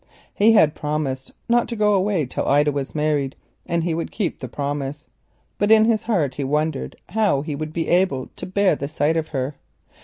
He had promised not to go away till Ida was married and he would keep the promise, but in his heart he wondered how he should bear the sight of her.